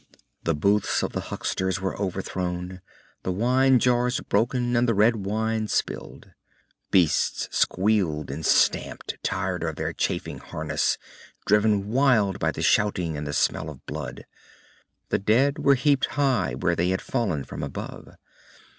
The booths of the hucksters were overthrown, the wine jars broken and the red wine spilled. Beasts squealed and stamped, tired of their chafing harness, driven wild by the shouting and the smell of blood. The dead were heaped high where they had fallen from above.